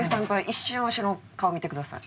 一瞬わしの顔見てください。